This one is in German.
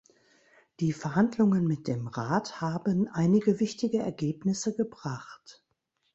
Die Verhandlungen mit dem Rat haben einige wichtige Ergebnisse gebracht.